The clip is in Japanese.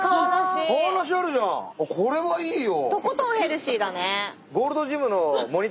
これはいいよ！